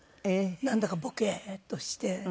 なんだかボケーッとして。